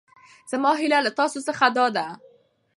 زما هېله له تاسو څخه دا ده.